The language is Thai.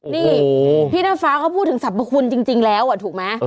นี่พี่น้ำฟ้าเขาพูดถึงสรรพคุณจริงแล้วถูกไหม